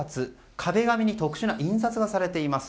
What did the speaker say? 壁紙に特殊な印刷がされています。